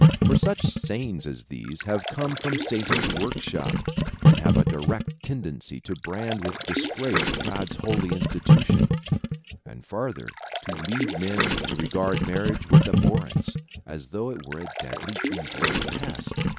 For such sayings as these have come from Satan's workshop, and have a direct tendency to brand with disgrace God's holy institution ; and farther, to lead men to regard marriage with abhorrence, as though it were a deadly evil and pest.